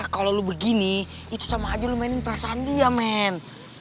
kalau lo begini itu sama aja lu mainin perasaan dia men